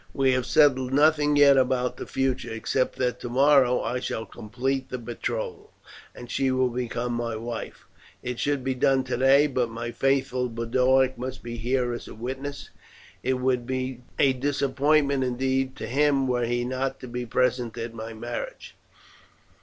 We have settled nothing yet about the future, except that tomorrow I shall complete the betrothal, and she will become my wife. It should be done today, but my faithful Boduoc must be here as a witness. It would be a disappointment indeed to him were he not to be present at my marriage.